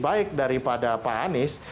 baik daripada pak anies